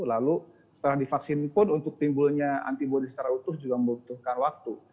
lalu setelah divaksin pun untuk timbulnya antibody secara utuh juga membutuhkan waktu